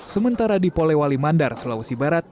sementara di polewali mandar sulawesi barat